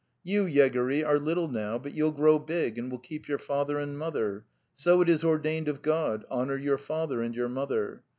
... You, Yegory, are little now, but you'll grow big and will keep your father and mother. ... So it is ordained of God, 'Honour your father and your mother.